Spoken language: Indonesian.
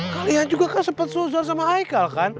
kalian juga kan sempet sozor sama aikal kan